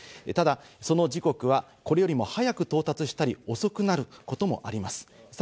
ただその時刻はこれよりも早く到達したり遅くなることもあります。